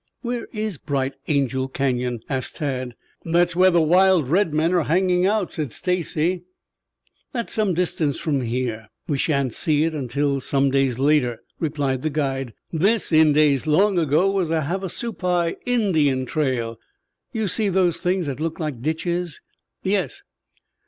"Where is Bright Angel Canyon?" asked Tad. "That's where the wild red men are hanging out," said Stacy. "That's some distance from here. We shan't see it until some days later," replied the guide. "This, in days long ago, was a Havasupai Indian trail. You see those things that look like ditches?" "Yes."